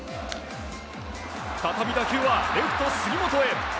再び打球はレフト、杉本へ。